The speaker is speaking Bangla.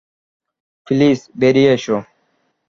প্লিজ বেরিয়ে এসো।